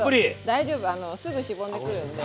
大丈夫すぐしぼんでくるんで。